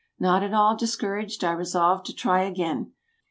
Not at all discouraged, I resolved to try again.